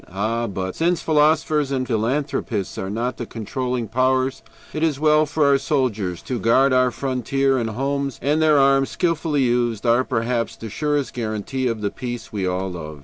Ah! but since philosophers and philanthropists are not the controlling powers, it is well for our soldiers to guard our frontier and homes, and their arms, skillfully used, are perhaps the surest guarantee of the peace we all love.